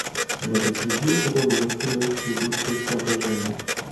В этой связи я хотел бы высказать следующие соображения.